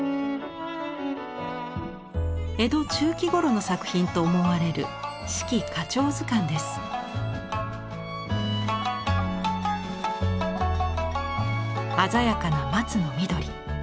江戸中期ごろの作品と思われる鮮やかな松の緑。